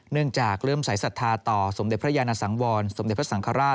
เนื่องจากเริ่มสายศรัทธาต่อสมเด็จพระยานสังวรสมเด็จพระสังฆราช